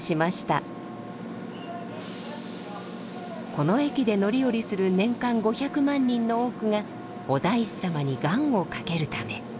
この駅で乗り降りする年間５００万人の多くがお大師様に願をかけるため。